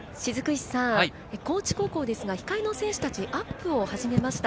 高知高校ですが控えの選手達、アップを始めました。